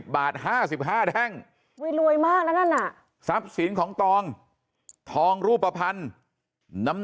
บาท๕๕แท่งรวยมากนะนั่นน่ะทรัพย์สินของตองทองรูปภัณฑ์น้ำ